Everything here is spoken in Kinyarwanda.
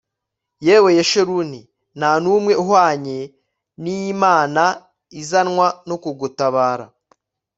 yewe yeshuruni, nta n'umwe uhwanye n'imanaizanwa no kugutabara